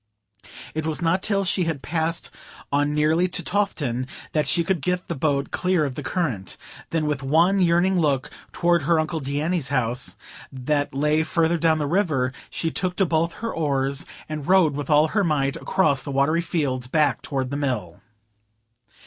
It was not till she had passed on nearly to Tofton that she could get the boat clear of the current. Then with one yearning look toward her uncle Deane's house that lay farther down the river, she took to both her oars and rowed with all her might across the watery fields, back toward the Mill.